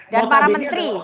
dan para menteri